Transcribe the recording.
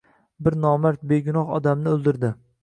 Bir nomard, begunoh odamni o’ldirdi.